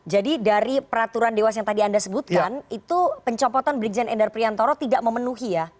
jadi dari peraturan dewas yang tadi anda sebutkan itu pencampotan beriksaan ender priantoro tidak memenuhi ya